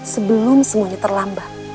sebelum semuanya terlambat